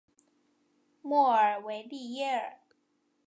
莫尔维利耶尔。